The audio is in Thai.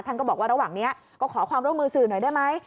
ก็บอกว่าระหว่างนี้ก็ขอความร่วมมือสื่อหน่อยได้ไหม